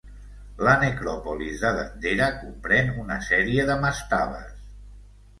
La necròpolis de Dendera comprèn una sèrie de mastabes.